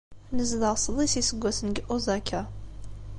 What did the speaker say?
Nezdeɣ sḍis n yiseggasen deg Osaka.